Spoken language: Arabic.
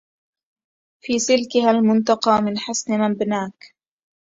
في سلكها المنتقى من حسن مبناكِ